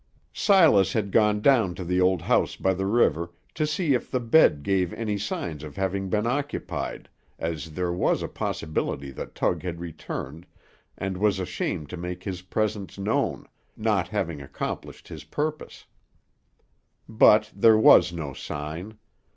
Silas had gone down to the old house by the river, to see if the bed gave any signs of having been occupied, as there was a possibility that Tug had returned, and was ashamed to make his presence known, not having accomplished his purpose. But there was no sign.